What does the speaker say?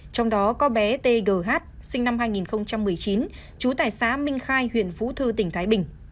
trong đó có bé t g h sinh năm hai nghìn một mươi chín chú tài xá minh khai huyện phú thư tỉnh thái bình